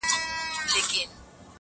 د صوفي په نظر هر څه اصلیت وو!